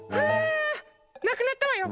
なくなったわよ。